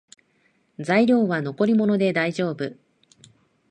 材料は残り物でだいじょうぶ